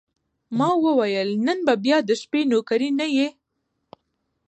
ما وویل: نن به بیا د شپې نوکري نه یې؟